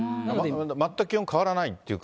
全く気温変わらないっていうか。